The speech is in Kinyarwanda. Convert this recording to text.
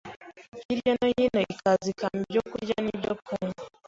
hirya no hino ikaza ikampa ibyo kurya n’ibyo kunywa